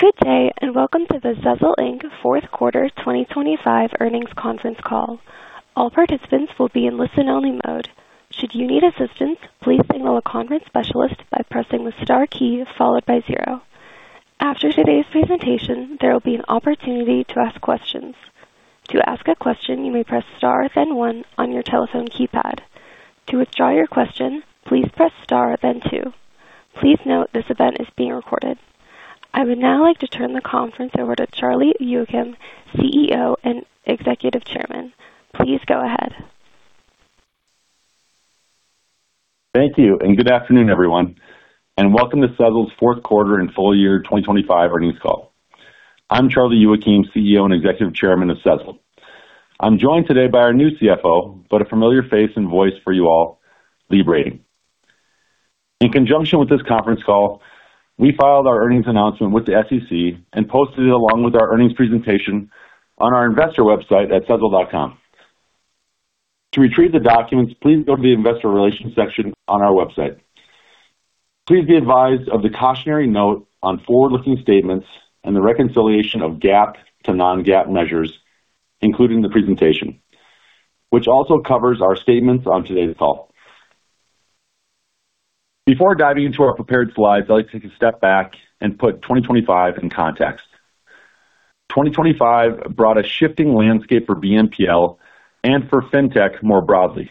Good day. Welcome to the Sezzle Inc. fourth quarter 2025 earnings conference call. All participants will be in listen-only mode. Should you need assistance, please signal a conference specialist by pressing the Star key followed by Zero. After today's presentation, there will be an opportunity to ask questions. To ask a question, you may press Star then One on your telephone keypad. To withdraw your question, please press star then Two. Please note this event is being recorded. I would now like to turn the conference over to Charlie Youakim, CEO and Executive Chairman. Please go ahead. Thank you, good afternoon, everyone, welcome to Sezzle's fourth quarter and full year 2025 earnings call. I'm Charlie Youakim, CEO and Executive Chairman of Sezzle. I'm joined today by our new CFO, a familiar face and voice for you all, Lee Brading. In conjunction with this conference call, I filed our earnings announcement with the SEC and posted it along with our earnings presentation on our investor website at sezzle.com. To retrieve the documents, please go to the investor relations section on our website. Please be advised of the cautionary note on forward-looking statements and the reconciliation of GAAP to non-GAAP measures, including the presentation, which also covers our statements on today's call. Before diving into our prepared slides, I'd like to take a step back and put 2025 in context. 2025 brought a shifting landscape for BNPL and for Fintech more broadly.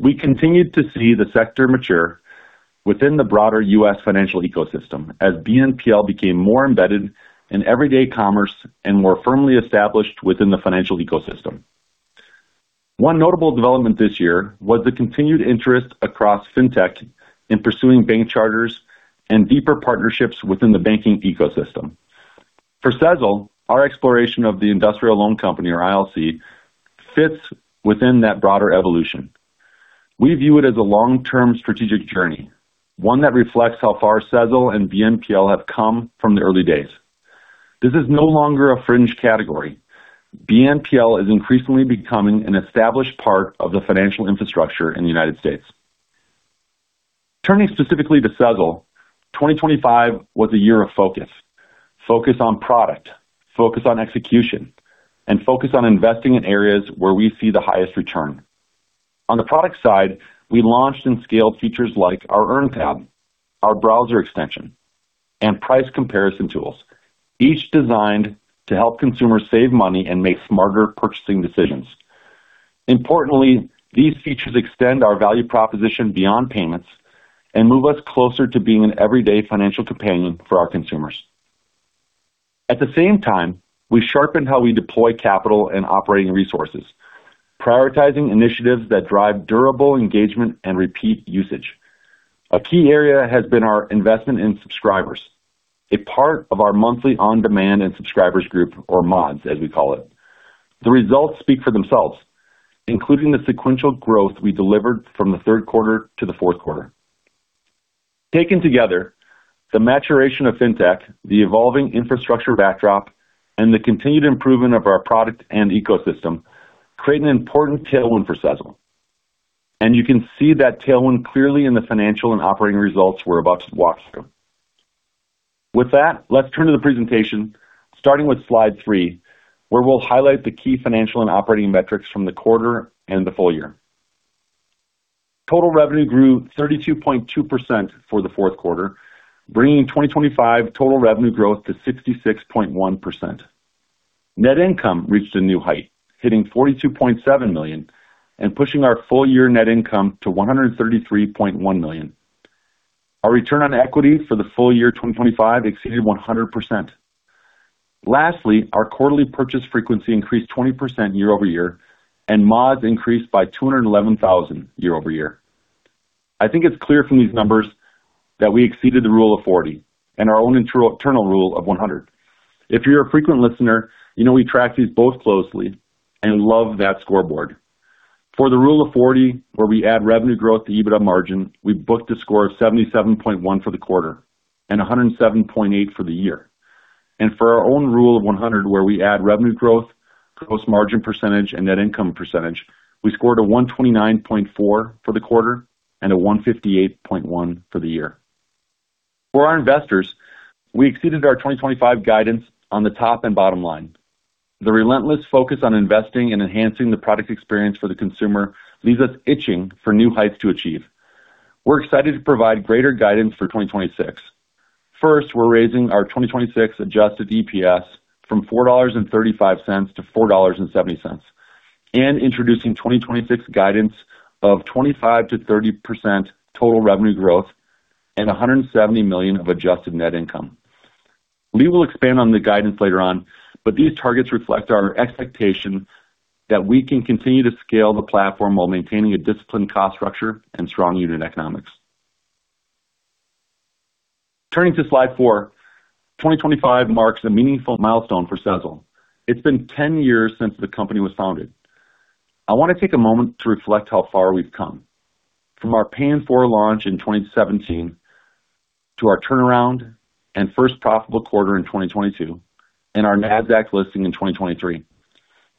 We continued to see the sector mature within the broader U.S. financial ecosystem as BNPL became more embedded in everyday commerce and more firmly established within the financial ecosystem. One notable development this year was the continued interest across Fintech in pursuing bank charters and deeper partnerships within the banking ecosystem. For Sezzle, our exploration of the industrial loan company, or ILC, fits within that broader evolution. We view it as a long-term strategic journey, one that reflects how far Sezzle and BNPL have come from the early days. This is no longer a fringe category. BNPL is increasingly becoming an established part of the financial infrastructure in the United States. Turning specifically to Sezzle, 2025 was a year of focus. Focus on product, focus on execution, and focus on investing in areas where we see the highest return. On the product side, we launched and scaled features like our Earn tab, our browser extension, and price comparison tools, each designed to help consumers save money and make smarter purchasing decisions. Importantly, these features extend our value proposition beyond payments and move us closer to being an everyday financial companion for our consumers. At the same time, we sharpened how we deploy capital and operating resources, prioritizing initiatives that drive durable engagement and repeat usage. A key area has been our investment in subscribers, a part of our Monthly On-Demand & Subscribers group, or mods, as we call it. The results speak for themselves, including the sequential growth we delivered from the third quarter to the fourth quarter. Taken together, the maturation of Fintech, the evolving infrastructure backdrop, and the continued improvement of our product and ecosystem create an important tailwind for Sezzle. You can see that tailwind clearly in the financial and operating results we're about to walk through. With that, let's turn to the presentation, starting with slide three, where we'll highlight the key financial and operating metrics from the quarter and the full year. Total revenue grew 32.2% for the fourth quarter, bringing 2025 total revenue growth to 66.1%. Net income reached a new height, hitting $42.7 million and pushing our full year net income to $133.1 million. Our Return on Equity for the full year 2025 exceeded 100%. Lastly, our quarterly purchase frequency increased 20% year-over-year, and mods increased by 211,000 year-over-year. I think it's clear from these numbers that we exceeded the Rule of 40 and our own internal rule of 100. If you're a frequent listener, you know we track these both closely and love that scoreboard. For the Rule of 40, where we add revenue growth to EBITDA margin, we booked a score of 77.1 for the quarter and 107.8 for the year. For our own rule of 100, where we add revenue growth, gross margin %, and net income %, we scored a 129.4 for the quarter and a 158.1 for the year. For our investors, we exceeded our 2025 guidance on the top and bottom line. The relentless focus on investing and enhancing the product experience for the consumer leaves us itching for new heights to achieve. We're excited to provide greater guidance for 2026. First, we're raising our 2026 Adjusted EPS from $4.35 to $4.70 and introducing 2026 guidance of 25%-30% total revenue growth and $170 million of Adjusted Net Income. Lee will expand on the guidance later on. These targets reflect our expectation that we can continue to scale the platform while maintaining a disciplined cost structure and strong unit economics. Turning to slide four. 2025 marks a meaningful milestone for Sezzle. It's been 10 years since the company was founded. I want to take a moment to reflect how far we've come, from our Pay-in-Four launch in 2017 to our turnaround and first profitable quarter in 2022 and our NASDAQ listing in 2023.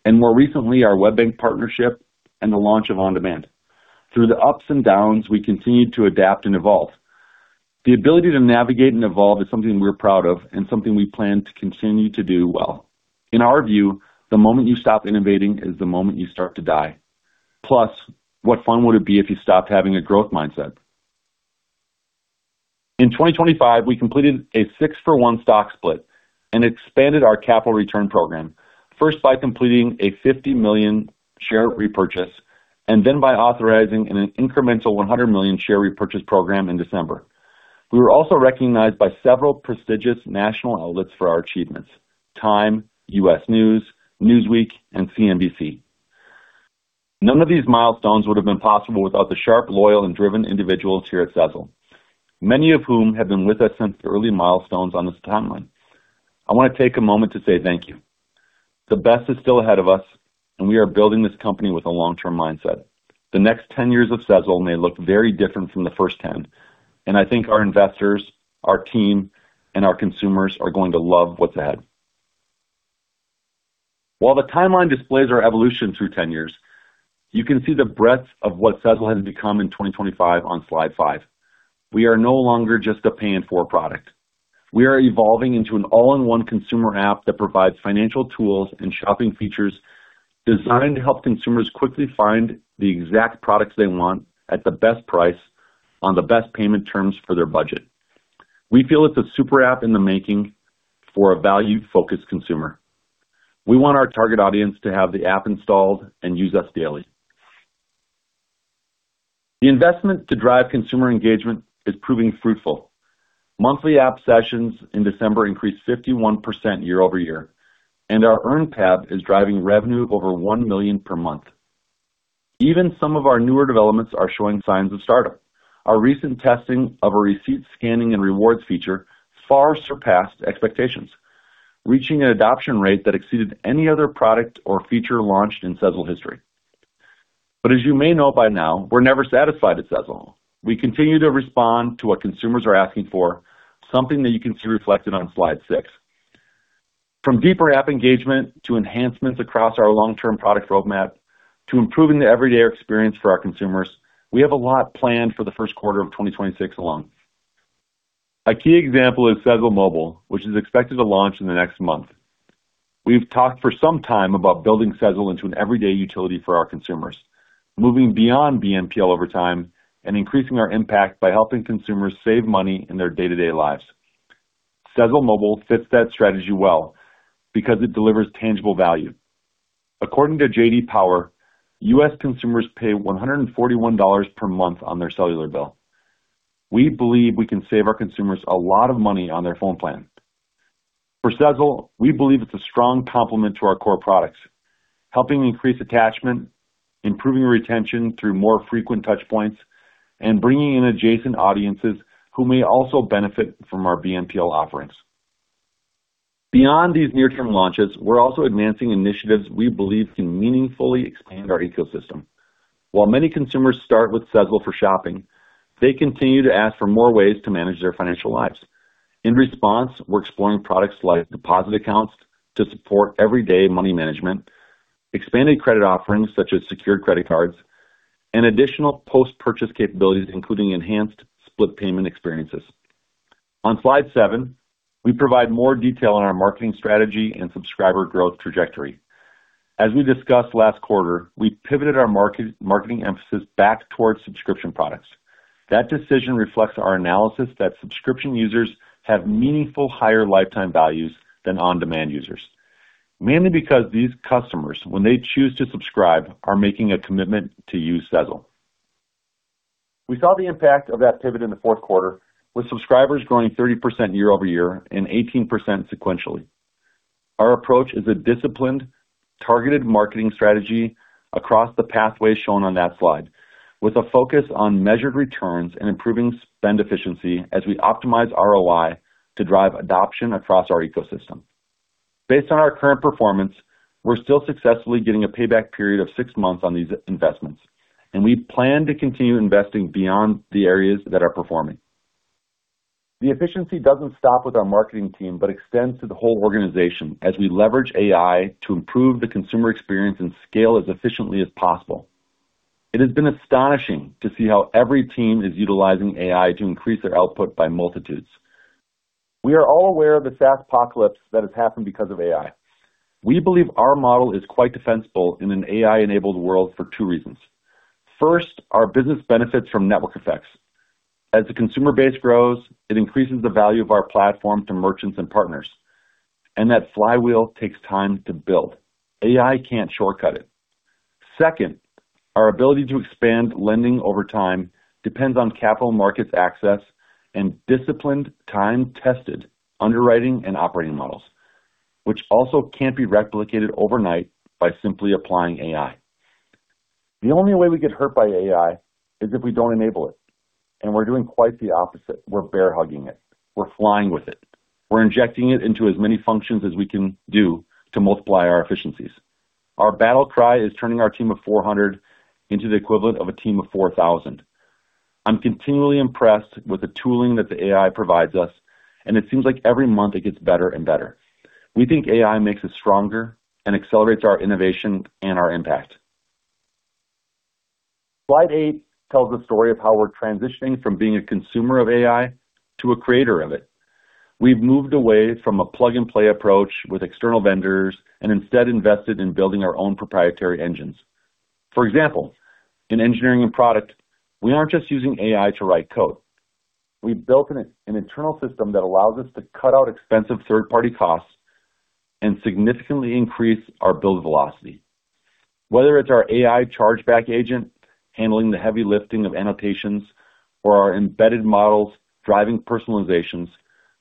More recently, our WebBank partnership and the launch of On-Demand. Through the ups and downs, we continued to adapt and evolve. The ability to navigate and evolve is something we're proud of and something we plan to continue to do well. In our view, the moment you stop innovating is the moment you start to die. What fun would it be if you stopped having a growth mindset? In 2025, we completed a six for one stock split and expanded our capital return program, first by completing a $50 million share repurchase, and then by authorizing an incremental $100 million share repurchase program in December. We were also recognized by several prestigious national outlets for our achievements: Time, U.S. News, Newsweek, and CNBC. None of these milestones would have been possible without the sharp, loyal, and driven individuals here at Sezzle, many of whom have been with us since the early milestones on this timeline. I want to take a moment to say thank you. The best is still ahead of us, and we are building this company with a long-term mindset. The next 10 years of Sezzle may look very different from the first 10, and I think our investors, our team, and our consumers are going to love what's ahead. While the timeline displays our evolution through 10 years, you can see the breadth of what Sezzle has become in 2025 on slide five. We are no longer just a Pay-in-Four product. We are evolving into an all-in-one consumer app that provides financial tools and shopping features designed to help consumers quickly find the exact products they want at the best price, on the best payment terms for their budget. We feel it's a super app in the making for a value-focused consumer. We want our target audience to have the app installed and use us daily. The investment to drive consumer engagement is proving fruitful. Monthly app sessions in December increased 51% year-over-year, and our Earn tab is driving revenue of over $1 million per month. Even some of our newer developments are showing signs of startup. Our recent testing of a receipt scanning and rewards feature far surpassed expectations, reaching an adoption rate that exceeded any other product or feature launched in Sezzle history. As you may know by now, we're never satisfied at Sezzle. We continue to respond to what consumers are asking for, something that you can see reflected on slide six. From deeper app engagement to enhancements across our long-term product roadmap, to improving the everyday experience for our consumers, we have a lot planned for the first quarter of 2026 alone. A key example is Sezzle Mobile, which is expected to launch in the next month. We've talked for some time about building Sezzle into an everyday utility for our consumers, moving beyond BNPL over time and increasing our impact by helping consumers save money in their day-to-day lives. Sezzle Mobile fits that strategy well because it delivers tangible value. According to J.D. Power, U.S. consumers pay $141 per month on their cellular bill. We believe we can save our consumers a lot of money on their phone plan. For Sezzle, we believe it's a strong complement to our core products, helping increase attachment, improving retention through more frequent touch points, and bringing in adjacent audiences who may also benefit from our BNPL offerings. We're also advancing initiatives we believe can meaningfully expand our ecosystem. While many consumers start with Sezzle for shopping, they continue to ask for more ways to manage their financial lives. In response, we're exploring products like deposit accounts to support everyday money management, expanding credit offerings such as secured credit cards, and additional post-purchase capabilities, including enhanced split payment experiences. On Slide seven, we provide more detail on our marketing emphasis back towards subscription products. That decision reflects our analysis that subscription users have meaningful higher lifetime values than On-Demand users, mainly because these customers, when they choose to subscribe, are making a commitment to use Sezzle. We saw the impact of that pivot in the fourth quarter, with subscribers growing 30% year-over-year and 18% sequentially. Our approach is a disciplined, targeted marketing strategy across the pathway shown on that slide, with a focus on measured returns and improving spend efficiency as we optimize ROI to drive adoption across our ecosystem. Based on our current performance, we're still successfully getting a payback period of six months on these investments, and we plan to continue investing beyond the areas that are performing. The efficiency doesn't stop with our marketing team, but extends to the whole organization as we leverage AI to improve the consumer experience and scale as efficiently as possible. It has been astonishing to see how every team is utilizing AI to increase their output by multitudes. We are all aware of the SaaS-apocalypse that has happened because of AI. We believe our model is quite defensible in an AI-enabled world for two reasons. First, our business benefits from network effects. As the consumer base grows, it increases the value of our platform to merchants and partners, and that flywheel takes time to build. AI can't shortcut it. Second, our ability to expand lending over time depends on capital markets access and disciplined, time-tested underwriting and operating models, which also can't be replicated overnight by simply applying AI. The only way we get hurt by AI is if we don't enable it, and we're doing quite the opposite. We're bear hugging it. We're flying with it. We're injecting it into as many functions as we can do to multiply our efficiencies. Our battle cry is turning our team of 400 into the equivalent of a team of 4,000. I'm continually impressed with the tooling that the AI provides us, and it seems like every month it gets better and better. We think AI makes us stronger and accelerates our innovation and our impact. Slide eight tells the story of how we're transitioning from being a consumer of AI to a creator of it. We've moved away from a plug-and-play approach with external vendors and instead invested in building our own proprietary engines. For example, in engineering and product, we aren't just using AI to write code. We've built an internal system that allows us to cut out expensive third-party costs and significantly increase our build velocity. Whether it's our AI chargeback agent handling the heavy lifting of annotations or our embedded models driving personalizations,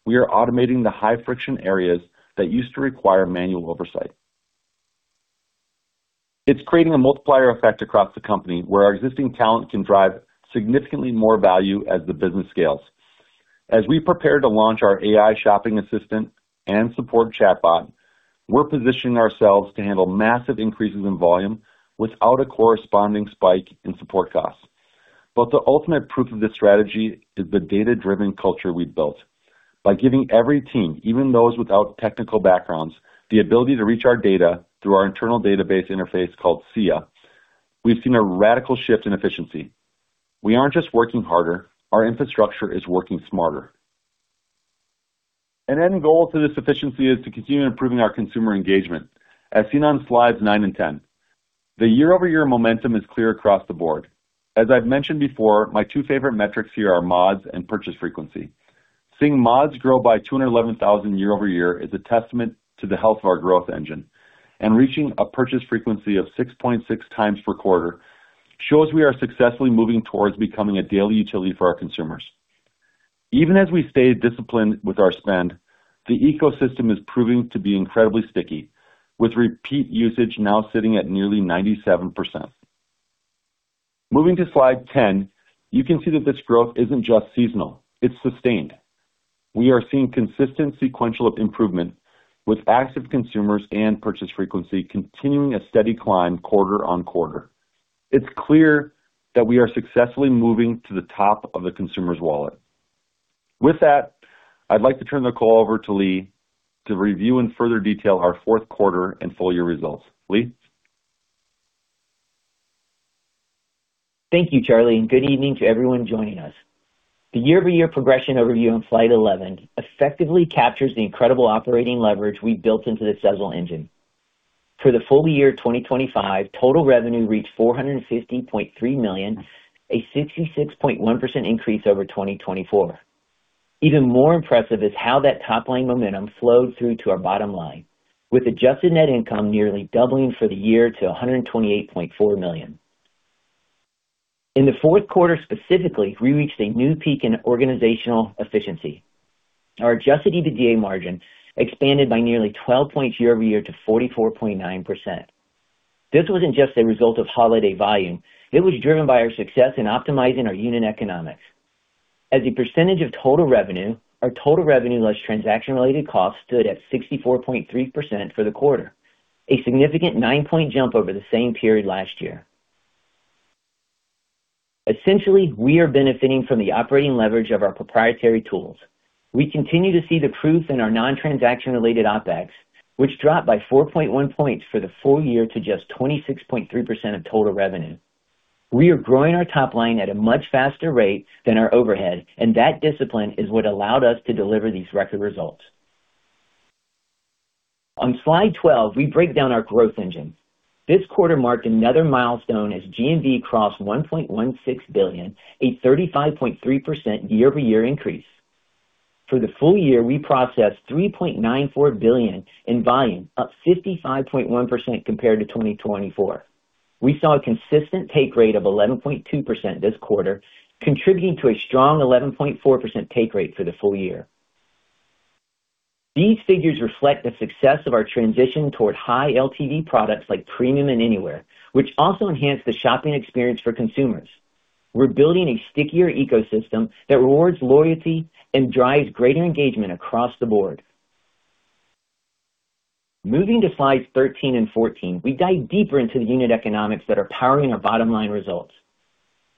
we are automating the high-friction areas that used to require manual oversight. It's creating a multiplier effect across the company, where our existing talent can drive significantly more value as the business scales. As we prepare to launch our AI shopping assistant and support chatbot, we're positioning ourselves to handle massive increases in volume without a corresponding spike in support costs. The ultimate proof of this strategy is the data-driven culture we've built. By giving every team, even those without technical backgrounds, the ability to reach our data through our internal database interface, called SIA, we've seen a radical shift in efficiency. We aren't just working harder, our infrastructure is working smarter. An end goal to this efficiency is to continue improving our consumer engagement, as seen on slides nine and 10. The year-over-year momentum is clear across the board. As I've mentioned before, my two favorite metrics here are mods and purchase frequency. Seeing mods grow by 211,000 year-over-year is a testament to the health of our growth engine, and reaching a purchase frequency of 6.6x per quarter shows we are successfully moving towards becoming a daily utility for our consumers. Even as we stay disciplined with our spend, the ecosystem is proving to be incredibly sticky, with repeat usage now sitting at nearly 97%. Moving to slide 10, you can see that this growth isn't just seasonal, it's sustained. We are seeing consistent sequential improvement with active consumers and purchase frequency continuing a steady climb quarter-on-quarter. It's clear that we are successfully moving to the top of the consumer's wallet. With that, I'd like to turn the call over to Lee to review in further detail our fourth quarter and full year results. Lee? Thank you, Charlie, and good evening to everyone joining us. The year-over-year progression overview on slide 11 effectively captures the incredible operating leverage we've built into the Sezzle engine. For the full year 2025, total revenue reached $450.3 million, a 66.1% increase over 2024. Even more impressive is how that top-line momentum flowed through to our bottom line, with Adjusted Net Income nearly doubling for the year to $128.4 million. In the fourth quarter specifically, we reached a new peak in organizational efficiency. Our Adjusted EBITDA margin expanded by nearly 12 points year-over-year to 44.9%. This wasn't just a result of holiday volume, it was driven by our success in optimizing our unit economics. As a percentage of total revenue, our total revenue, less transaction-related costs, stood at 64.3% for the quarter, a significant nine-point jump over the same period last year. Essentially, we are benefiting from the operating leverage of our proprietary tools. We continue to see the proof in our non-transaction-related OpEx, which dropped by 4.1 points for the full year to just 26.3% of total revenue. We are growing our top line at a much faster rate than our overhead, and that discipline is what allowed us to deliver these record results. On slide 12, we break down our growth engine. This quarter marked another milestone as GMV crossed $1.16 billion, a 35.3% year-over-year increase. For the full year, we processed $3.94 billion in volume, up 55.1% compared to 2024. We saw a consistent take rate of 11.2% this quarter, contributing to a strong 11.4% take rate for the full year. These figures reflect the success of our transition toward high LTV products like Premium and Anywhere, which also enhance the shopping experience for consumers. We're building a stickier ecosystem that rewards loyalty and drives greater engagement across the board. Moving to slides 13 and 14, we dive deeper into the unit economics that are powering our bottom-line results.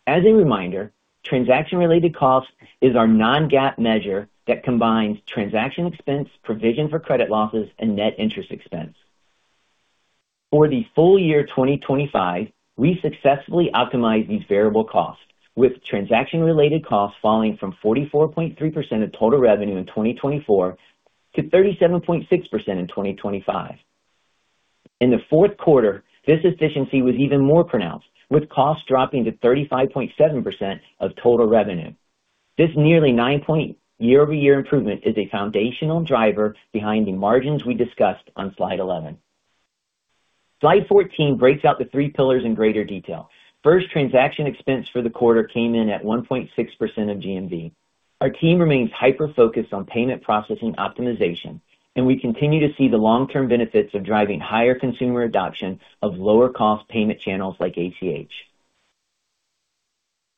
As a reminder, transaction-related costs is our non-GAAP measure that combines transaction expense, provision for credit losses, and net interest expense. For the full year 2025, we successfully optimized these variable costs, with transaction-related costs falling from 44.3% of total revenue in 2024 to 37.6% in 2025. In the fourth quarter, this efficiency was even more pronounced, with costs dropping to 35.7% of total revenue. This nearly nine-point year-over-year improvement is a foundational driver behind the margins we discussed on slide 11. Slide 14 breaks out the three pillars in greater detail. First, transaction expense for the quarter came in at 1.6% of GMV. Our team remains hyper-focused on payment processing optimization, and we continue to see the long-term benefits of driving higher consumer adoption of lower-cost payment channels like ACH.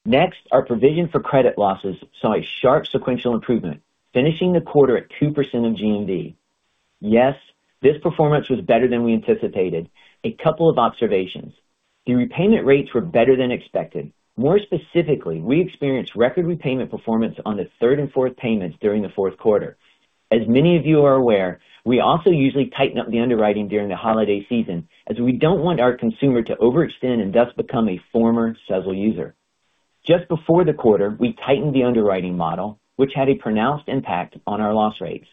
Next, our provision for credit losses saw a sharp sequential improvement, finishing the quarter at 2% of GMV. Yes, this performance was better than we anticipated. A couple of observations. The repayment rates were better than expected. More specifically, we experienced record repayment performance on the third and fourth payments during the fourth quarter. As many of you are aware, we also usually tighten up the underwriting during the holiday season, as we don't want our consumer to overextend and thus become a former Sezzle user. Just before the quarter, we tightened the underwriting model, which had a pronounced impact on our loss rates.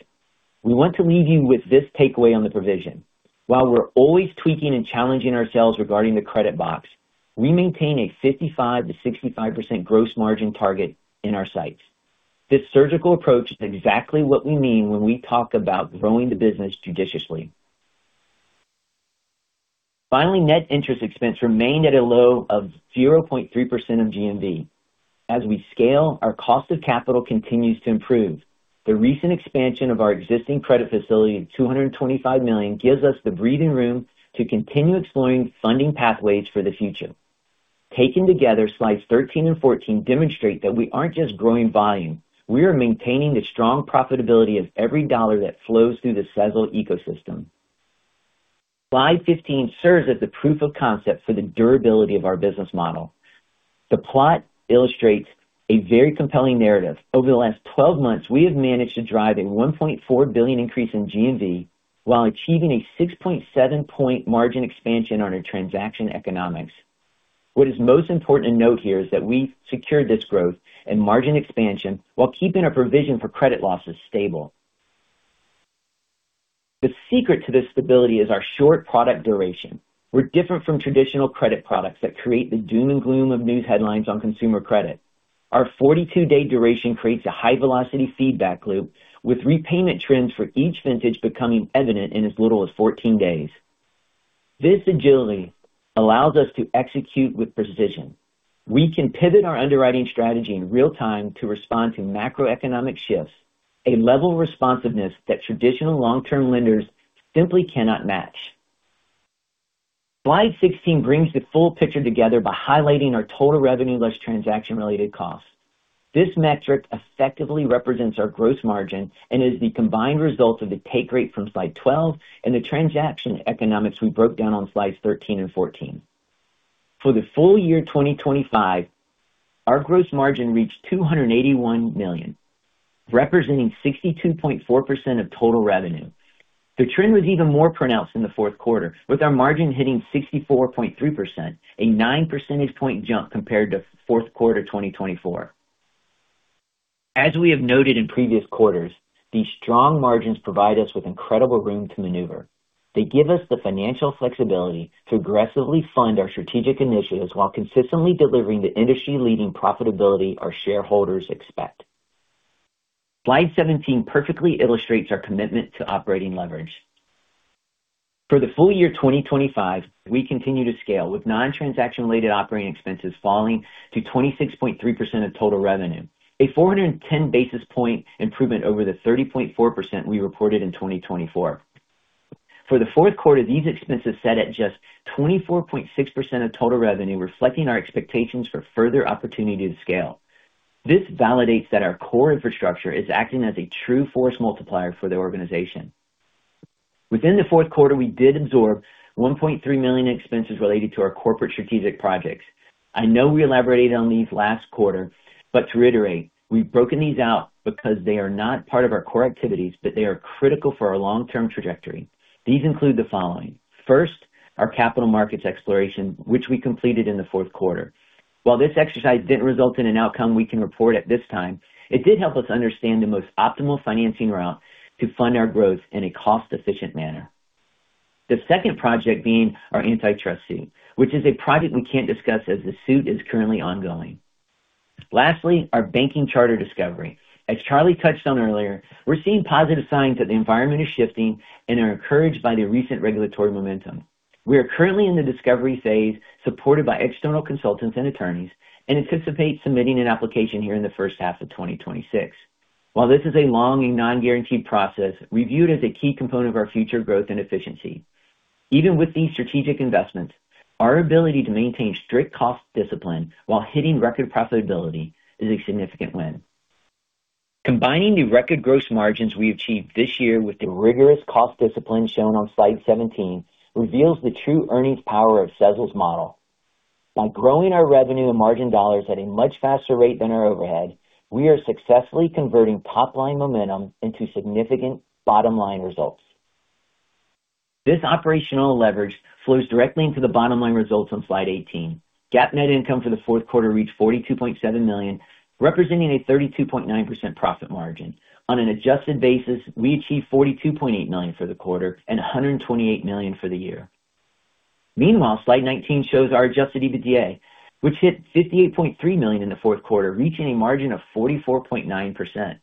We want to leave you with this takeaway on the provision. While we're always tweaking and challenging ourselves regarding the credit box, we maintain a 55%-65% gross margin target in our sites. This surgical approach is exactly what we mean when we talk about growing the business judiciously. Finally, net interest expense remained at a low of 0.3% of GMV. As we scale, our cost of capital continues to improve. The recent expansion of our existing credit facility of $225 million, gives us the breathing room to continue exploring funding pathways for the future. Taken together, Slides 13 and 14 demonstrate that we aren't just growing volume, we are maintaining the strong profitability of every dollar that flows through the Sezzle ecosystem. Slide 15 serves as the proof of concept for the durability of our business model. The plot illustrates a very compelling narrative. Over the last 12 months, we have managed to drive a $1.4 billion increase in GMV, while achieving a 6.7% margin expansion on our transaction economics. What is most important to note here is that we secured this growth and margin expansion while keeping our provision for credit losses stable. The secret to this stability is our short product duration. We're different from traditional credit products that create the doom and gloom of news headlines on consumer credit. Our 42-day duration creates a high velocity feedback loop, with repayment trends for each vintage becoming evident in as little as 14 days. This agility allows us to execute with precision. We can pivot our underwriting strategy in real time to respond to macroeconomic shifts, a level of responsiveness that traditional long-term lenders simply cannot match. Slide 16 brings the full picture together by highlighting our total revenue less transaction-related costs. This metric effectively represents our gross margin and is the combined result of the take rate from Slide 12 and the transaction economics we broke down on Slides 13 and 14. For the full year 2025, our gross margin reached $281 million, representing 62.4% of total revenue. The trend was even more pronounced in the fourth quarter, with our margin hitting 64.3%, a nine percentage point jump compared to fourth quarter 2024. As we have noted in previous quarters, these strong margins provide us with incredible room to maneuver. They give us the financial flexibility to aggressively fund our strategic initiatives while consistently delivering the industry-leading profitability our shareholders expect. Slide 17 perfectly illustrates our commitment to operating leverage. For the full year 2025, we continue to scale, with non-transaction related operating expenses falling to 26.3% of total revenue, a 410 basis point improvement over the 30.4% we reported in 2024. For the fourth quarter, these expenses sat at just 24.6% of total revenue, reflecting our expectations for further opportunity to scale. This validates that our core infrastructure is acting as a true force multiplier for the organization. Within the fourth quarter, we did absorb $1.3 million expenses related to our corporate strategic projects. I know we elaborated on these last quarter, but to reiterate, we've broken these out because they are not part of our core activities, but they are critical for our long-term trajectory. These include the following. First, our capital markets exploration, which we completed in the fourth quarter. While this exercise didn't result in an outcome we can report at this time, it did help us understand the most optimal financing route to fund our growth in a cost-efficient manner. The second project being our antitrust suit, which is a project we can't discuss as the suit is currently ongoing. Lastly, our banking charter discovery. As Charlie touched on earlier, we're seeing positive signs that the environment is shifting and are encouraged by the recent regulatory momentum. We are currently in the discovery phase, supported by external consultants and attorneys, and anticipate submitting an application here in the first half of 2026. While this is a long and non-guaranteed process, we view it as a key component of our future growth and efficiency. Even with these strategic investments, our ability to maintain strict cost discipline while hitting record profitability is a significant win. Combining the record gross margins we achieved this year with the rigorous cost discipline shown on Slide 17, reveals the true earnings power of Sezzle's model. By growing our revenue and margin dollars at a much faster rate than our overhead, we are successfully converting top-line momentum into significant bottom line results. This operational leverage flows directly into the bottom line results on Slide 18. GAAP Net Income for the fourth quarter reached $42.7 million, representing a 32.9% profit margin. On an adjusted basis, we achieved $42.8 million for the quarter and $128 million for the year. Slide 19 shows our Adjusted EBITDA, which hit $58.3 million in the fourth quarter, reaching a margin of 44.9%.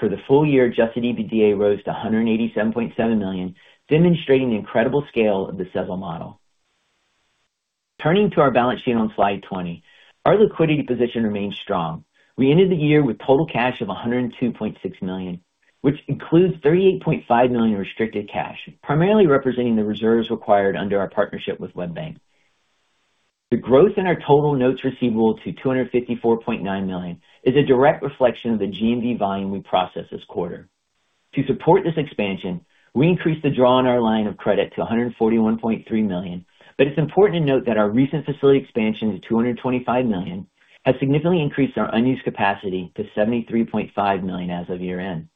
For the full year, Adjusted EBITDA rose to $187.7 million, demonstrating the incredible scale of the Sezzle model. Turning to our balance sheet on Slide 20, our liquidity position remains strong. We ended the year with total cash of $102.6 million, which includes $38.5 million restricted cash, primarily representing the reserves required under our partnership with WebBank. The growth in our total notes receivable to $254.9 million is a direct reflection of the GMV volume we processed this quarter. To support this expansion, we increased the draw on our line of credit to $141.3 million. It's important to note that our recent facility expansion to $225 million has significantly increased our unused capacity to $73.5 million as of year-end.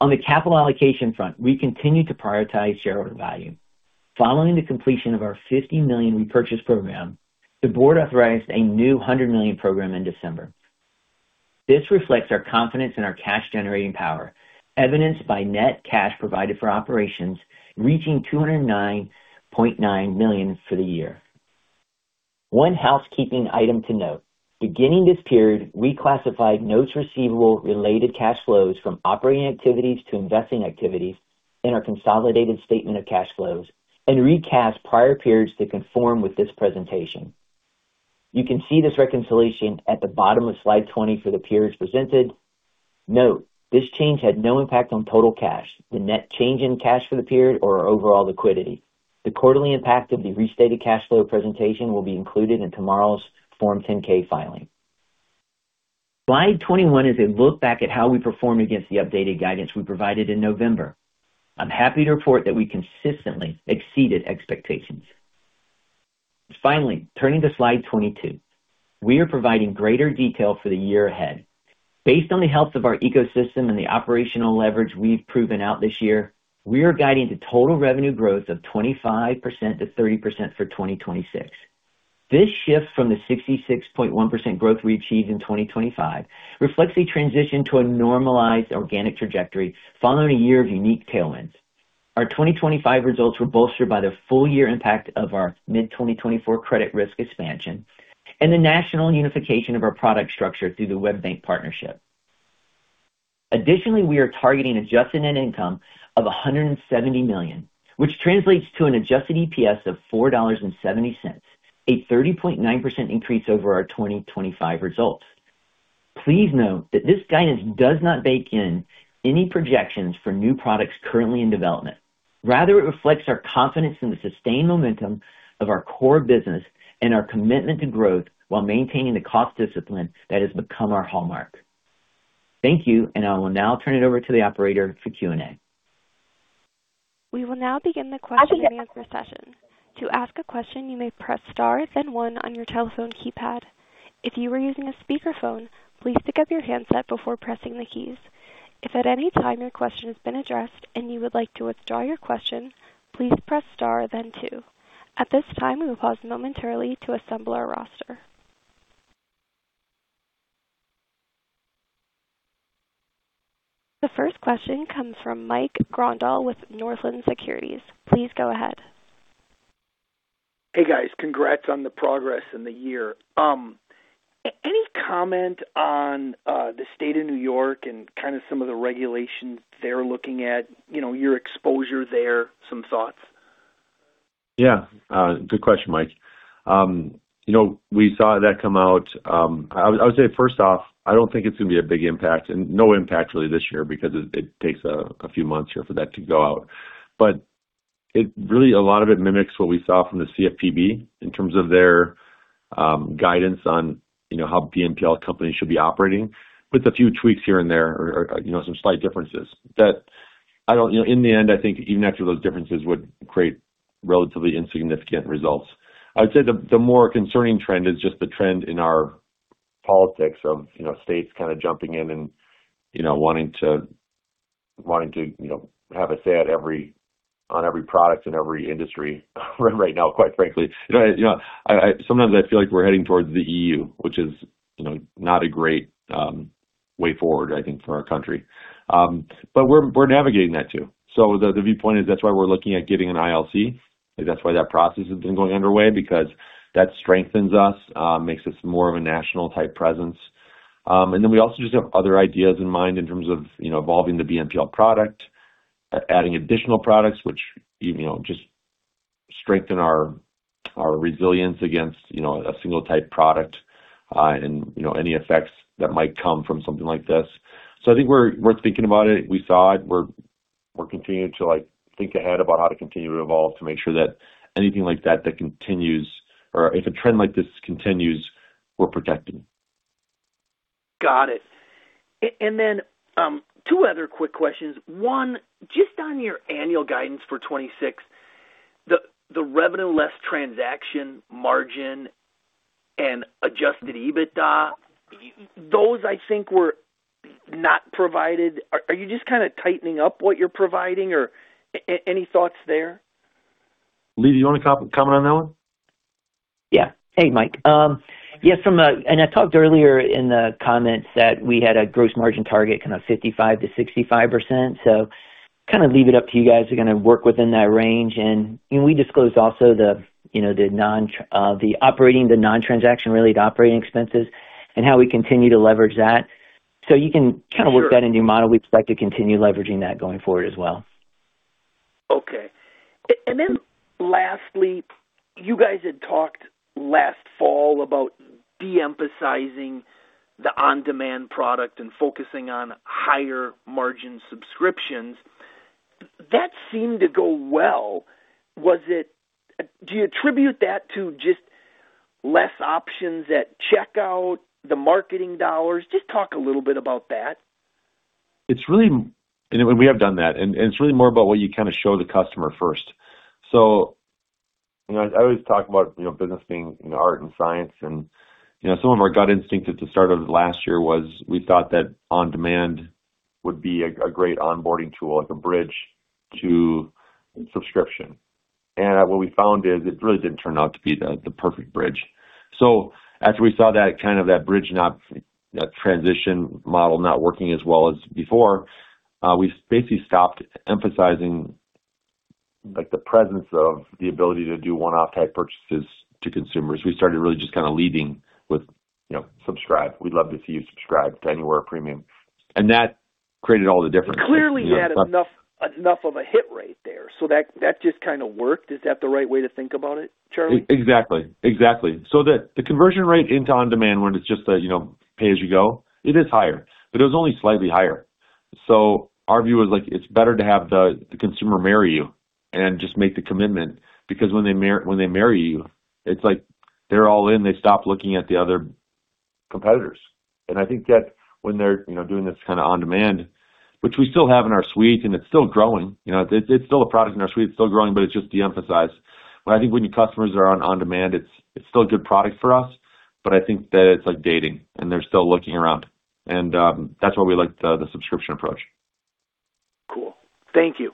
On the capital allocation front, we continue to prioritize shareholder value. Following the completion of our $50 million repurchase program, the board authorized a new $100 million program in December. This reflects our confidence in our cash-generating power, evidenced by net cash provided for operations reaching $209.9 million for the year. One housekeeping item to note: beginning this period, we classified notes receivable-related cash flows from operating activities to investing activities in our consolidated statement of cash flows and recast prior periods to conform with this presentation. You can see this reconciliation at the bottom of slide 20 for the periods presented. Note, this change had no impact on total cash, the net change in cash for the period, or our overall liquidity. The quarterly impact of the restated cash flow presentation will be included in tomorrow's Form 10-K filing. Slide 21 is a look back at how we performed against the updated guidance we provided in November. I'm happy to report that we consistently exceeded expectations. Turning to slide 22. We are providing greater detail for the year ahead. Based on the health of our ecosystem and the operational leverage we've proven out this year, we are guiding to total revenue growth of 25%-30% for 2026. This shift from the 66.1% growth we achieved in 2025 reflects the transition to a normalized organic trajectory following a year of unique tailwinds. Our 2025 results were bolstered by the full year impact of our mid-2024 credit risk expansion and the national unification of our product structure through the WebBank partnership. We are targeting Adjusted Net Income of $170 million, which translates to an Adjusted EPS of $4.70, a 30.9% increase over our 2025 results. Please note that this guidance does not bake in any projections for new products currently in development. Rather, it reflects our confidence in the sustained momentum of our core business and our commitment to growth while maintaining the cost discipline that has become our hallmark. Thank you. I will now turn it over to the operator for Q&A. We will now begin the question-and-answer session. To ask a question, you may press Star, then One on your telephone keypad. If you are using a speakerphone, please pick up your handset before pressing the keys. If at any time your question has been addressed and you would like to withdraw your question, please press Star then Two. At this time, we will pause momentarily to assemble our roster. The first question comes from Mike Grondahl with Northland Securities. Please go ahead. Hey, guys. Congrats on the progress in the year. Any comment on, the state of New York and kind of some of the regulations they're looking at? You know, your exposure there, some thoughts? Yeah, good question, Mike. You know, we saw that come out. I would say, first off, I don't think it's going to be a big impact and no impact really this year because it takes a few months here for that to go out. It really, a lot of it mimics what we saw from the CFPB in terms of their guidance on, you know, how BNPL companies should be operating, with a few tweaks here and there or, you know, some slight differences. You know, in the end, I think even after those differences would create relatively insignificant results. I'd say the more concerning trend is just the trend in our politics of, you know, states kind of jumping in and, you know, wanting to have a say on every product in every industry right now, quite frankly. I sometimes I feel like we're heading towards the EU, which is, you know, not a great way forward, I think, for our country. We're navigating that too. The viewpoint is that's why we're looking at getting an ILC. That's why that process has been going underway, because that strengthens us, makes us more of a national-type presence. We also just have other ideas in mind in terms of, you know, evolving the BNPL product, adding additional products which, you know, just strengthen our resilience against, you know, a single-type product, and, you know, any effects that might come from something like this. I think we're thinking about it. We saw it. We're continuing to, like, think ahead about how to continue to evolve, to make sure that anything like that continues or if a trend like this continues, we're protected. Got it. Two other quick questions. One, just on your annual guidance for 2026, the revenue, less transaction, margin and Adjusted EBITDA, those I think were not provided. Are you just kind of tightening up what you're providing or any thoughts there? Lee, do you want to comment on that one? Yeah. Hey, Mike. I talked earlier in the comments that we had a gross margin target, kind of 55%-65%. Kind of leave it up to you guys. We're going to work within that range. We disclosed also the, you know, the non, the operating, the non-transaction related operating expenses and how we continue to leverage that. You can- Sure. kind of work that in your model. We'd like to continue leveraging that going forward as well. Okay. And then lastly, you guys had talked last fall about de-emphasizing the On-Demand product and focusing on higher-margin subscriptions. That seemed to go well. Do you attribute that to just less options at checkout, the marketing dollars? Just talk a little bit about that. It's really, we have done that, it's really more about what you kind of show the customer first. You know, I always talk about, you know, business being an art and science, and, you know, some of our gut instinct at the start of last year was we thought that On-Demand would be a great onboarding tool, like a bridge to subscription. What we found is it really didn't turn out to be the perfect bridge. As we saw that, kind of that bridge, that transition model not working as well as before, we basically stopped emphasizing, like, the presence of the ability to do one-off type purchases to consumers. We started really just kind of leading with, you know, subscribe. We'd love to see you subscribe to Anywhere Premium. That created all the difference. It clearly had enough of a hit rate there, so that just kind of worked. Is that the right way to think about it, Charlie? Exactly. Exactly. The conversion rate into Sezzle On-Demand, when it's just a, you know, pay as you go, it is higher, but it was only slightly higher. Our view is like, it's better to have the consumer marry you and just make the commitment, because when they marry you, it's like they're all in. They stop looking at the other competitors. I think that when they're, you know, doing this kind of Sezzle On-Demand, which we still have in our suite, and it's still growing, you know, it's still a product in our suite. It's still growing, but it's just de-emphasized. I think when your customers are on Sezzle On-Demand, it's still a good product for us, but I think that it's like dating, and they're still looking around. That's why we like the subscription approach. Cool. Thank you.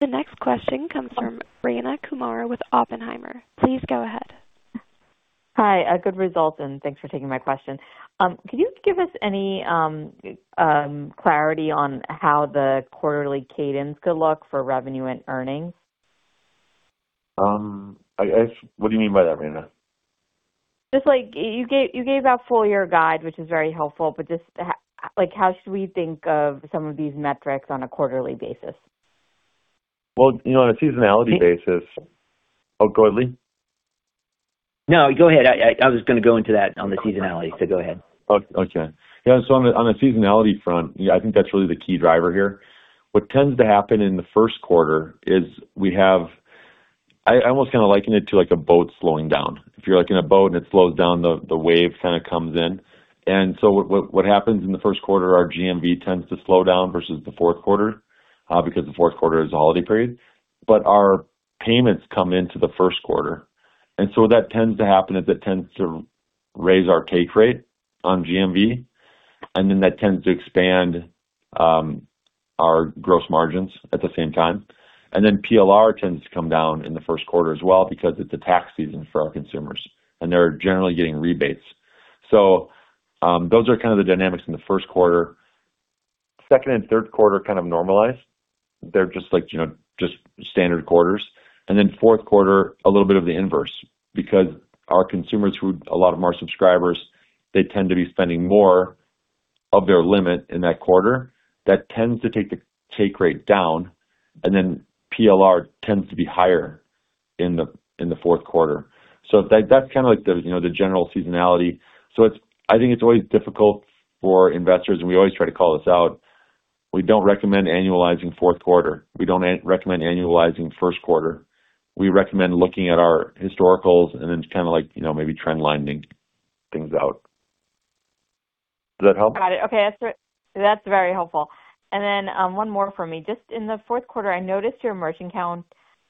The next question comes from Rayna Kumar with Oppenheimer. Please go ahead. Hi, a good result, thanks for taking my question. Can you give us any clarity on how the quarterly cadence could look for revenue and earnings? What do you mean by that, Rayna? Just like, you gave out full year guide, which is very helpful, but just like, how should we think of some of these metrics on a quarterly basis? Well, you know, on a seasonality basis. Oh, quarterly? No, go ahead. I was gonna go into that on the seasonality, so go ahead. Okay. Yeah, on a, on a seasonality front, yeah, I think that's really the key driver here. What tends to happen in the first quarter is I almost kind of liken it to, like, a boat slowing down. If you're, like, in a boat and it slows down, the wave kind of comes in. What happens in the first quarter, our GMV tends to slow down versus the fourth quarter, because the fourth quarter is a holiday period. Our payments come into the first quarter, and so that tends to happen, is it tends to raise our take rate on GMV, and then that tends to expand our gross margins at the same time. PLR tends to come down in the first quarter as well because it's a tax season for our consumers, and they're generally getting rebates. Those are kind of the dynamics in the first quarter. Second and third quarter kind of normalize. They're just like, you know, just standard quarters. Fourth quarter, a little bit of the inverse, because our consumers who, a lot of our subscribers, they tend to be spending more of their limit in that quarter. That tends to take the take rate down, and then PLR tends to be higher in the fourth quarter. That's kind of like the, you know, the general seasonality. I think it's always difficult for investors, and we always try to call this out. We don't recommend annualizing fourth quarter. We don't recommend annualizing first quarter. We recommend looking at our historicals and then kind of like, you know, maybe trend lining things out. Does that help? Got it. Okay, that's very helpful. One more for me. Just in the fourth quarter, I noticed your merchant count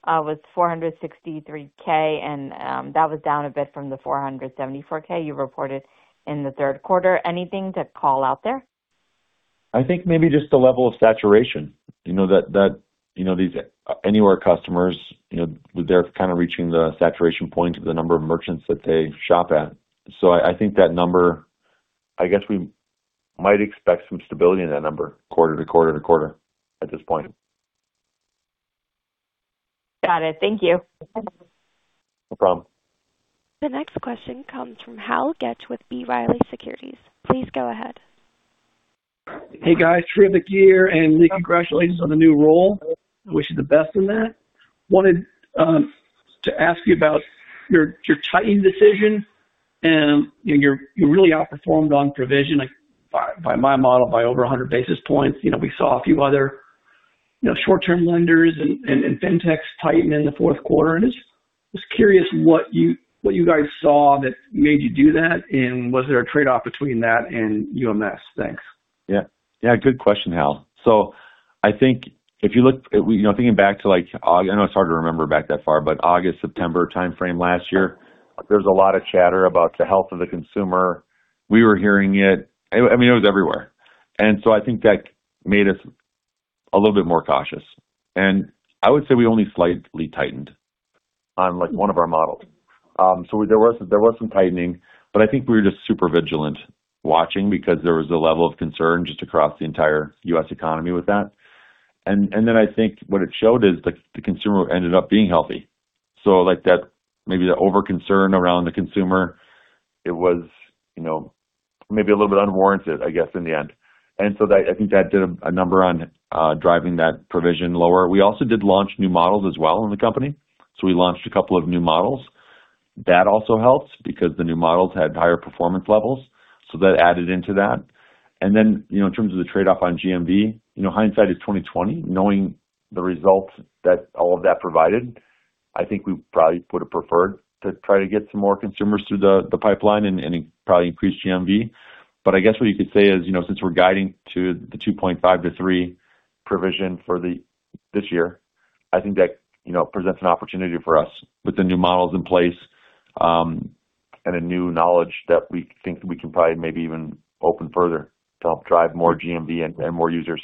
was 463K. That was down a bit from the 474K you reported in the third quarter. Anything to call out there? I think maybe just the level of saturation, you know, that, you know, these Anywhere customers, you know, they're kind of reaching the saturation point of the number of merchants that they shop at. I think that number, I guess we might expect some stability in that number quarter to quarter to quarter at this point. Got it. Thank you. No problem. The next question comes from Hal Goetsch with B. Riley Securities. Please go ahead. Hey, guys. Terrific year. Lee, congratulations on the new role. I wish you the best in that. Wanted to ask you about your tightening decision. You know, you're, you really outperformed on provision, like, by my model, by over 100 basis points. You know, we saw a few other, you know, short-term lenders and Fintechs tighten in the fourth quarter. Just curious what you guys saw that made you do that. Was there a trade-off between that and UMS? Thanks. Yeah. Yeah, good question, Hal. I think if you look... You know, thinking back to, like, I know it's hard to remember back that far, but August, September timeframe last year, there was a lot of chatter about the health of the consumer. We were hearing it. I mean, it was everywhere. I think that made us a little bit more cautious, and I would say we only slightly tightened on, like, one of our models. There was some tightening, but I think we were just super vigilant watching because there was a level of concern just across the entire U.S. economy with that. I think what it showed is the consumer ended up being healthy. Like that, maybe the over-concern around the consumer, it was, you know, maybe a little bit unwarranted, I guess, in the end. That, I think that did a number on driving that provision lower. We also did launch new models as well in the company, so we launched a couple of new models. That also helps because the new models had higher performance levels, so that added into that. Then, you know, in terms of the trade-off on GMV, you know, hindsight is 20/20. Knowing the results that all of that provided, I think we probably would have preferred to try to get some more consumers through the pipeline and probably increase GMV. I guess what you could say is, you know, since we're guiding to the 2.5% - 3% provision for this year, I think that, you know, presents an opportunity for us with the new models in place, and a new knowledge that we think we can probably maybe even open further to help drive more GMV and more users.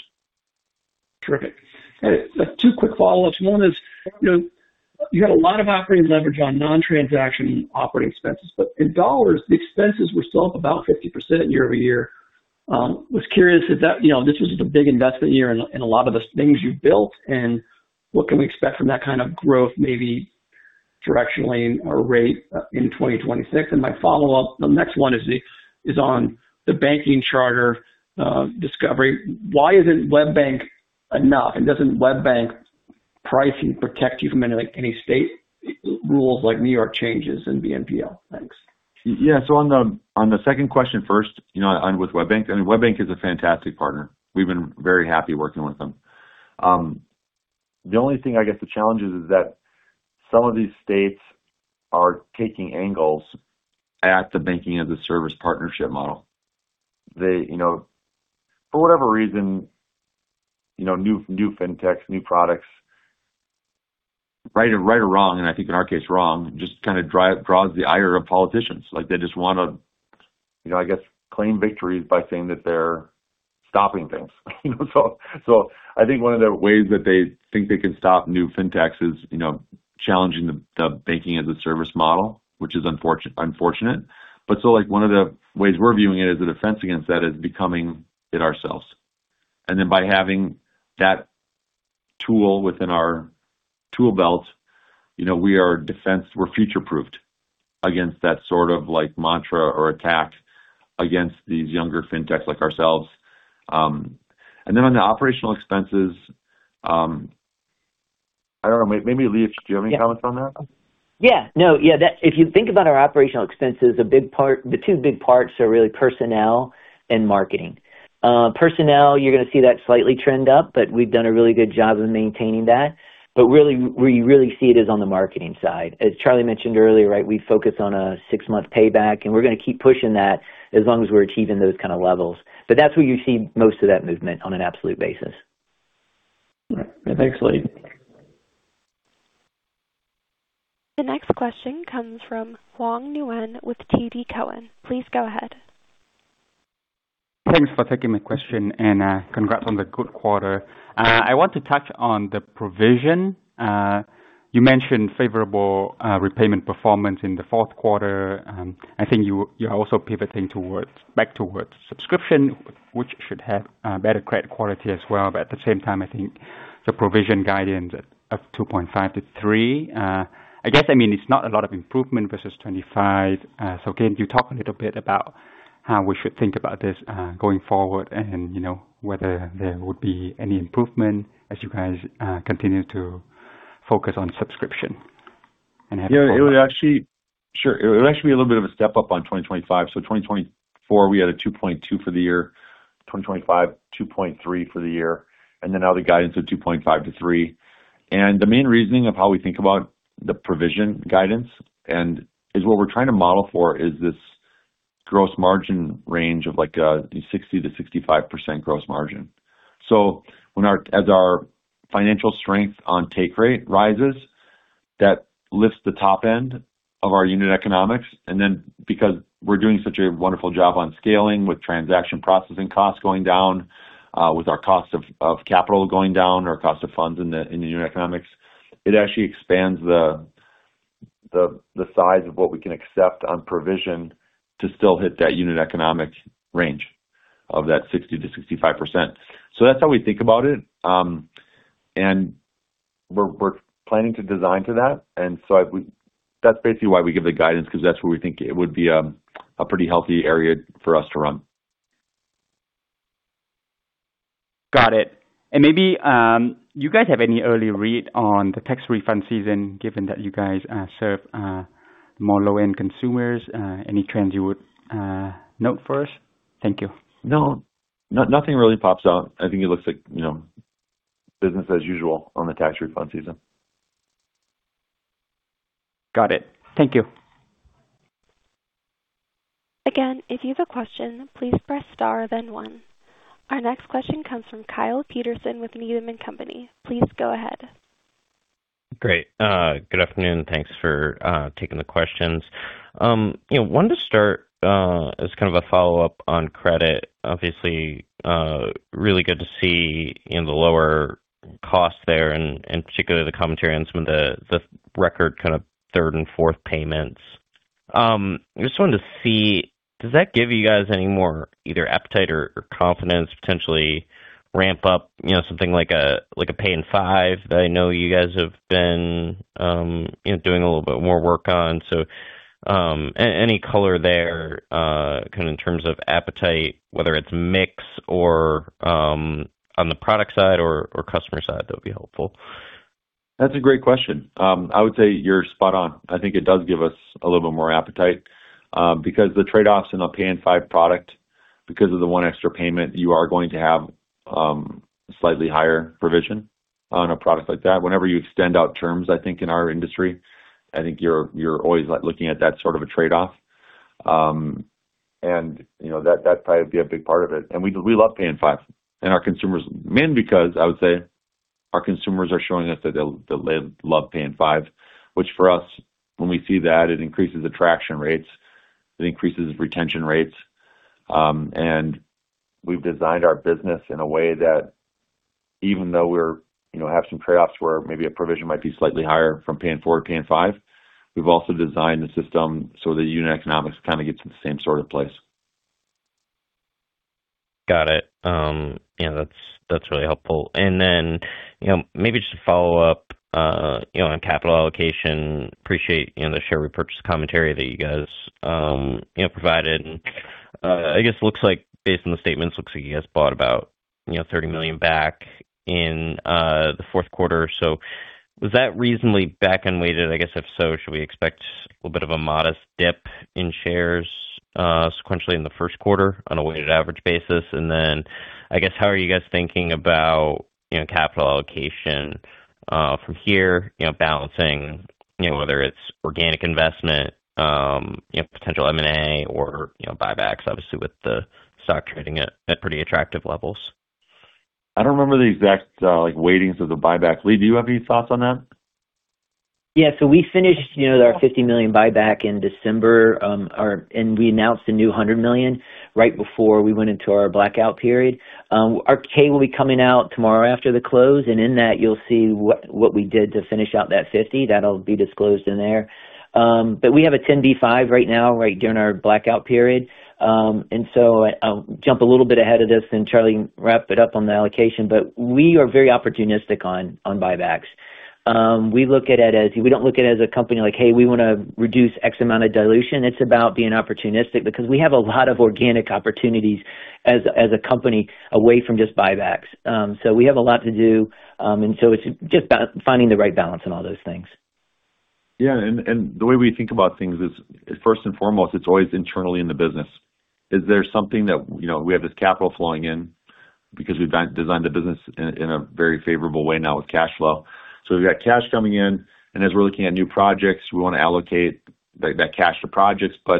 Terrific. Hey, 2 quick follow-ups. One is, you know, you had a lot of operating leverage on non-transaction operating expenses, but in dollars, the expenses were still up about 50% year-over-year. Was curious if you know, this was a big investment year in a lot of the things you built, and what can we expect from that kind of growth, maybe directionally or rate, in 2026? My follow-up, the next one is on the banking charter discovery. Why isn't WebBank enough, and doesn't WebBank pricing protect you from any, like, any state rules like New York changes in BNPL? Thanks. Yeah. On the second question first, you know, on with WebBank, I mean, WebBank is a fantastic partner. We've been very happy working with them. The only thing I guess the challenge is that some of these states are taking angles at the Banking-as-a-Service partnership model. They, you know, for whatever reason, new Fintechs, new products, right or, right or wrong, and I think in our case, wrong, just kind of draws the ire of politicians. Like, they just wanna, you know, I guess, claim victories by saying that they're stopping things. I think one of the ways that they think they can stop new Fintechs is, you know, challenging the Banking-as-a-Service model, which is unfortunate. Like, one of the ways we're viewing it is the defense against that is becoming it ourselves. By having that tool within our tool belt, you know, We're future-proofed against that sort of, like, mantra or attack against these younger fintechs like ourselves. On the operational expenses, I don't know, maybe, Lee, do you have any comments on that? Yeah. No. Yeah, that... If you think about our operational expenses, the two big parts are really personnel and marketing. Personnel, you're gonna see that slightly trend up, but we've done a really good job of maintaining that. Really, where you really see it is on the marketing side. As Charlie mentioned earlier, right, we focus on a six-month payback, and we're gonna keep pushing that as long as we're achieving those kind of levels. That's where you see most of that movement on an absolute basis. All right. Thanks, Leigh. The next question comes from Andrew Sherman with TD Cowen. Please go ahead. Thanks for taking my question, and congrats on the good quarter. I want to touch on the provision. You mentioned favorable repayment performance in the fourth quarter, and I think you're also pivoting back towards subscription, which should have better credit quality as well. At the same time, I think the provision guidance of 2.5%-3%, I guess, I mean, it's not a lot of improvement versus 25%. Can you talk a little bit about how we should think about this going forward? You know, whether there would be any improvement as you guys continue to focus on subscription? Yeah, it would actually. Sure. It would actually be a little bit of a step-up on 2025. 2024, we had a 2.2% for the year. 2025, 2.3% for the year, now the guidance of 2.5%-3%. The main reasoning of how we think about the provision guidance is what we're trying to model for, is this gross margin range of, like, 60%-65% gross margin. When as our financial strength on take rate rises, that lifts the top end of our unit economics. Because we're doing such a wonderful job on scaling with transaction processing costs going down, with our cost of capital going down, our cost of funds in the unit economics, it actually expands the size of what we can accept on provision to still hit that unit economic range of that 60%-65%. That's how we think about it. We're planning to design to that. That's basically why we give the guidance, because that's where we think it would be a pretty healthy area for us to run. Got it. Maybe you guys have any early read on the tax refund season, given that you guys serve more low-end consumers? Any trends you would note for us? Thank you. Nothing really pops out. I think it looks like, you know, business as usual on the tax refund season. Got it. Thank you. Again, if you have a question, please press star, then one. Our next question comes from Kyle Peterson with Needham & Company. Please go ahead. Great. Good afternoon. Thanks for taking the questions. You know, wanted to start as kind of a follow-up on credit. Obviously, really good to see, you know, the lower cost there and, particularly the commentary on some of the record kind of third and fourth payments. I just wanted to see, does that give you guys any more either appetite or confidence to potentially ramp up, you know, something like a Pay-in-Five, that I know you guys have been, you know, doing a little bit more work on? Any color there, kind of in terms of appetite, whether it's mix or on the product side or customer side, that would be helpful. That's a great question. I would say you're spot on. I think it does give us a little bit more appetite because the trade-offs in a Pay-in-Five product, because of the one extra payment, you are going to have slightly higher provision on a product like that. Whenever you extend out terms, I think in our industry, I think you're always looking at that sort of a trade-off. You know, that probably would be a big part of it. We, we love Pay-in-Five. Our consumers- mainly because I would say our consumers are showing us that they love Pay-in-Five, which for us, when we see that, it increases attraction rates, it increases retention rates. We've designed our business in a way that even though we're, you know, have some trade-offs where maybe a provision might be slightly higher from Pay-in-Four to Pay-in-Five, we've also designed the system so the unit economics kind of gets in the same sort of place. Got it. Yeah, that's really helpful. You know, maybe just to follow up, you know, on capital allocation. Appreciate, you know, the share repurchase commentary that you guys, you know, provided. I guess, looks like based on the statements, looks like you guys bought about, you know, $30 million back in, the fourth quarter. Was that reasonably back-end weighted? I guess if so, should we expect a little bit of a modest dip in shares, sequentially in the first quarter on a weighted average basis? I guess, how are you guys thinking about, you know, capital allocation, from here, you know, balancing, you know, whether it's organic investment, you know, potential M&A or, you know, buybacks, obviously, with the stock trading at pretty attractive levels? I don't remember the exact, like, weightings of the buybacks. Lee, do you have any thoughts on that? Yeah, we finished, you know, our $50 million buyback in December, and we announced a new $100 million right before we went into our blackout period. Our K will be coming out tomorrow after the close, and in that, you'll see what we did to finish out that 50. That'll be disclosed in there. We have a Rule 10b-5 right now during our blackout period. I'll jump a little bit ahead of this and Charlie, wrap it up on the allocation, but we are very opportunistic on buybacks. We don't look at it as a company like: Hey, we wanna reduce X amount of dilution. It's about being opportunistic because we have a lot of organic opportunities as a company away from just buybacks. We have a lot to do, and so it's just about finding the right balance in all those things. Yeah, the way we think about things is, first and foremost, it's always internally in the business. Is there something that, you know, we have this capital flowing in because we've designed the business in a very favorable way now with cash flow. We've got cash coming in, and as we're looking at new projects, we wanna allocate that cash to projects. I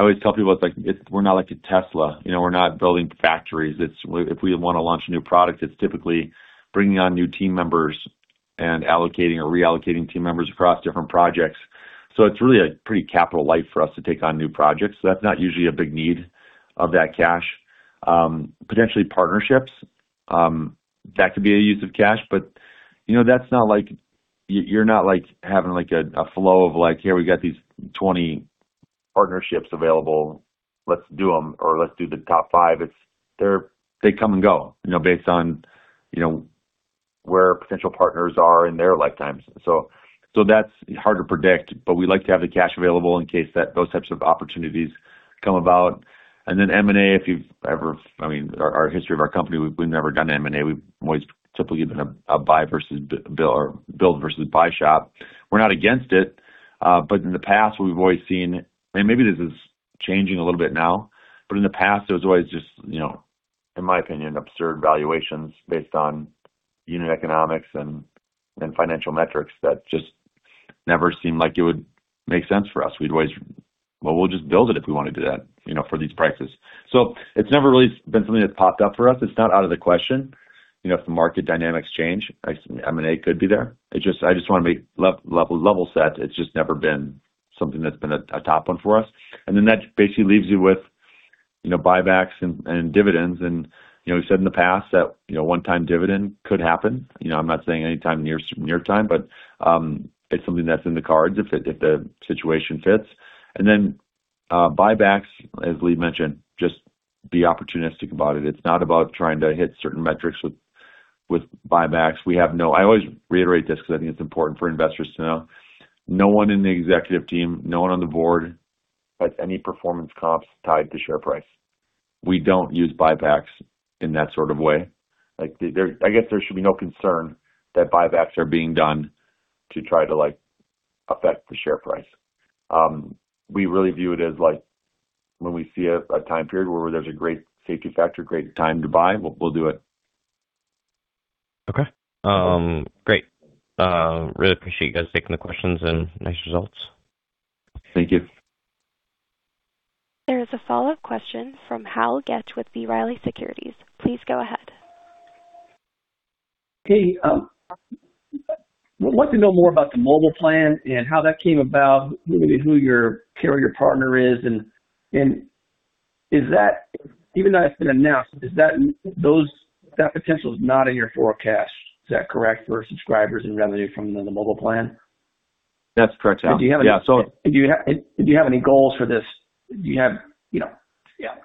always tell people, it's like, we're not like a Tesla, you know, we're not building factories. It's if we wanna launch a new product, it's typically bringing on new team members and allocating or reallocating team members across different projects. It's really a pretty capital light for us to take on new projects. That's not usually a big need of that cash. Potentially partnerships, that could be a use of cash, but, you know, that's not like you're not, like, having, like, a flow of like: Here, we got these 20 partnerships available, let's do them, or let's do the top five. They come and go, you know, based on, you know, where potential partners are in their lifetimes. That's hard to predict, but we like to have the cash available in case that those types of opportunities come about. Then M&A, if you've ever, I mean, our history of our company, we've never done M&A. We've always typically been a buy versus or build versus buy shop. We're not against it, in the past, we've always seen... Maybe this is changing a little bit now, but in the past, there was always just, you know, in my opinion, absurd valuations based on unit economics and financial metrics that just never seemed like it would make sense for us. We'd always, "Well, we'll just build it if we want to do that, you know, for these prices." It's never really been something that popped up for us. It's not out of the question. You know, if the market dynamics change, I guess M&A could be there. It's just, I just wanna be level set. It's just never been something that's been a top one for us. That basically leaves you with, you know, buybacks and dividends. You know, we said in the past that, you know, one-time dividend could happen. You know, I'm not saying anytime near time, but it's something that's in the cards if the situation fits. Buybacks, as Lee mentioned, just be opportunistic about it. It's not about trying to hit certain metrics with buybacks. I always reiterate this because I think it's important for investors to know. No one in the executive team, no one on the board, has any performance comps tied to share price. We don't use buybacks in that sort of way. Like, there, I guess there should be no concern that buybacks are being done to try to, like, affect the share price. We really view it as like when we see a time period where there's a great safety factor, great time to buy, we'll do it. Okay. Great. Really appreciate you guys taking the questions and nice results. Thank you. There is a follow-up question from Hal Goetsch with B. Riley Securities. Please go ahead. Hey, I want to know more about the Mobile plan and how that came about, maybe who your carrier partner is, and is that, even though it's been announced, that potential is not in your forecast, is that correct, for subscribers and revenue from the Mobile plan? That's correct, Hal. Yeah. Do you have any goals for this? Do you have, you know, yeah,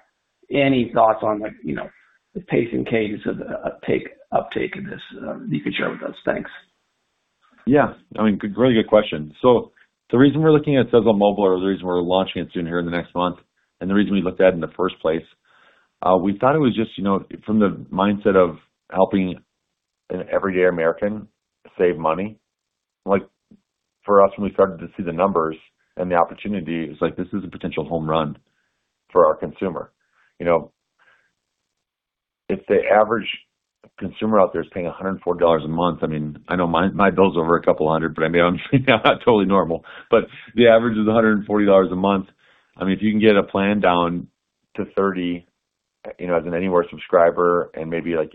any thoughts on like, you know, the pace and cadence of the uptake of this, you can share with us? Thanks. Yeah, I mean, good, really good question. The reason we're looking at Sezzle Mobile, or the reason we're launching it soon here in the next month, and the reason we looked at it in the first place, we thought it was just, you know, from the mindset of helping an everyday American save money. Like, for us, when we started to see the numbers and the opportunity, it was like, this is a potential home run for our consumer. You know, if the average consumer out there is paying $140 a month, I mean, I know my bill's over a couple hundred, but I mean, I'm not totally normal. The average is $140 a month. I mean, if you can get a plan down to $30, you know, as an Anywhere subscriber and maybe like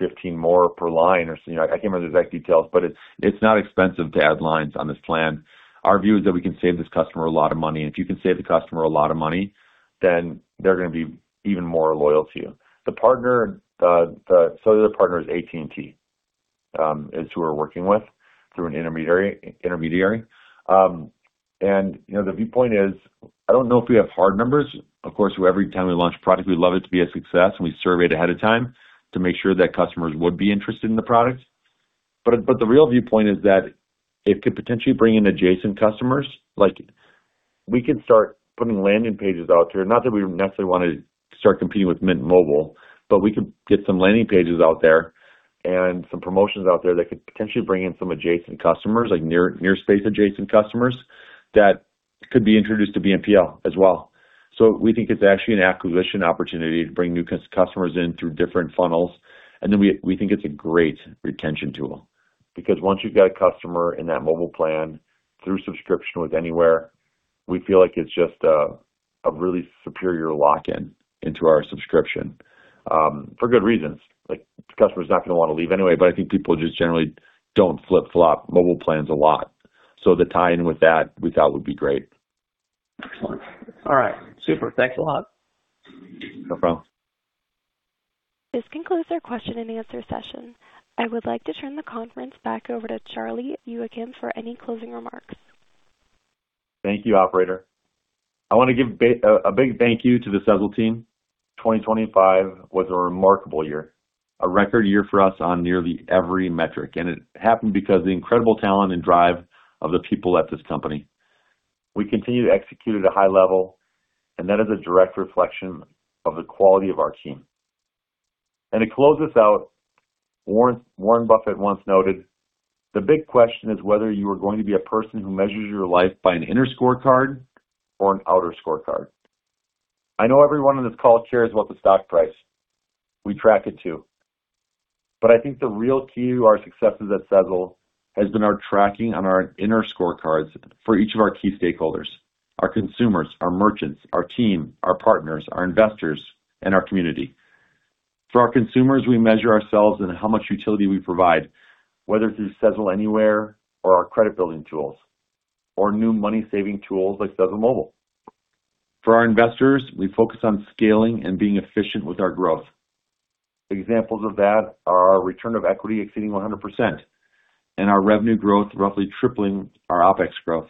$15 more per line or so, I can't remember the exact details, but it's not expensive to add lines on this plan. Our view is that we can save this customer a lot of money, and if you can save the customer a lot of money, then they're gonna be even more loyal to you. The partner, so the partner is AT&T, is who we're working with through an intermediary. You know, the viewpoint is, I don't know if we have hard numbers. Of course, every time we launch a product, we'd love it to be a success, and we survey it ahead of time to make sure that customers would be interested in the product. The real viewpoint is that it could potentially bring in adjacent customers. We could start putting landing pages out there, not that we would necessarily want to start competing with Mint Mobile, but we could get some landing pages out there and some promotions out there that could potentially bring in some adjacent customers, like near space adjacent customers, that could be introduced to BNPL as well. We think it's actually an acquisition opportunity to bring new customers in through different funnels. We think it's a great retention tool because once you've got a customer in that mobile plan through subscription with Anywhere, we feel like it's just a really superior lock-in into our subscription. For good reasons, like, the customer's not gonna want to leave anyway, but I think people just generally don't flip-flop mobile plans a lot. The tie-in with that we thought would be great. Excellent. All right. Super. Thanks a lot. No problem. This concludes our question and answer session. I would like to turn the conference back over to Charlie Youakim for any closing remarks. Thank you, operator. I want to give a big thank you to the Sezzle team. 2025 was a remarkable year, a record year for us on nearly every metric, and it happened because of the incredible talent and drive of the people at this company. We continue to execute at a high level, and that is a direct reflection of the quality of our team. To close this out, Warren Buffett once noted, "The big question is whether you are going to be a person who measures your life by an inner scorecard or an outer scorecard." I know everyone on this call cares about the stock price. We track it, too. I think the real key to our successes at Sezzle has been our tracking on our inner scorecards for each of our key stakeholders, our consumers, our merchants, our team, our partners, our investors, and our community. For our consumers, we measure ourselves in how much utility we provide, whether through Sezzle Anywhere or our credit building tools, or new money-saving tools like Sezzle Mobile. For our investors, we focus on scaling and being efficient with our growth. Examples of that are our Return on Equity exceeding 100% and our revenue growth roughly tripling our OpEx growth.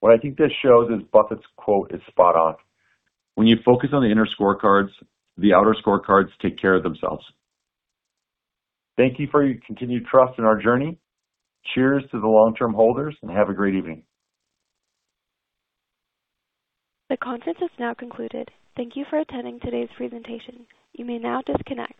What I think this shows is Buffett's quote is spot on. When you focus on the inner scorecards, the outer scorecards take care of themselves. Thank you for your continued trust in our journey. Cheers to the long-term holders, have a great evening. The conference is now concluded. Thank you for attending today's presentation. You may now disconnect.